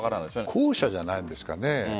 後者じゃないですかね？